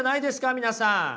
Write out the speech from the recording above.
皆さん。